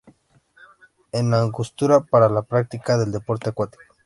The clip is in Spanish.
La Angostura para la práctica del deporte acuático.